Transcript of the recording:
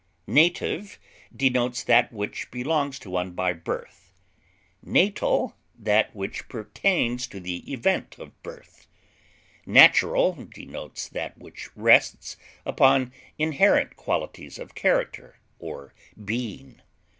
Native denotes that which belongs to one by birth; natal that which pertains to the event of birth; natural denotes that which rests upon inherent qualities of character or being.